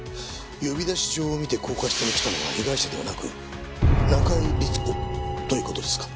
呼び出し状を見て高架下に来たのは被害者ではなく中井律子という事ですか？